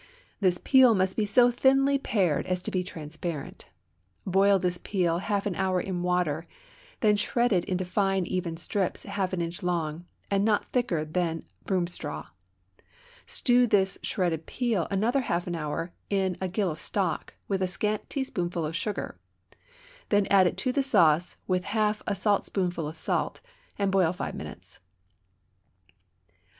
This peel must be so thinly pared as to be transparent. Boil this peel half an hour in water, then shred it into fine even strips half an inch long, and not thicker than broom straw. Stew this shredded peel another half hour in a gill of stock, with a scant teaspoonful of sugar; then add it to the sauce, with half a saltspoonful of salt, and boil five minutes.